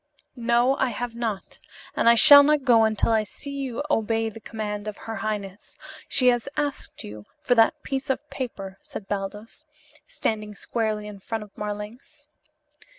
"No, I have not; and I shall not go until I see you obey the command of her highness. She has asked you for that piece of paper," said Baldos, standing squarely in front of Marlanx.